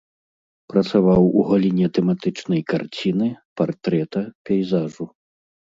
Працаваў у галіне тэматычнай карціны, партрэта, пейзажу.